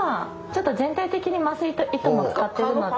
ちょっと全体的に麻酔と糸も使っているので。